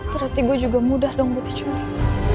berarti gue juga mudah dong buat dicumi